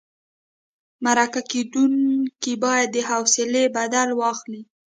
مرکه کېدونکی باید د حوصلې بدل واخلي.